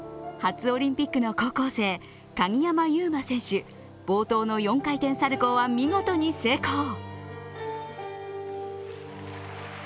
初オリンピックの高校生、鍵山優真選手、冒頭の４回転サルコウは見事に成功